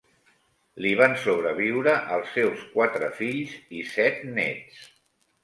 Li van sobreviure els seus quatre fills i set nets.